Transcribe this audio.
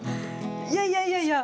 いやいやいやいや。